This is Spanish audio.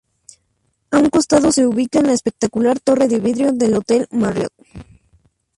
A un costado se ubica la espectacular torre de vidrio del hotel Marriott.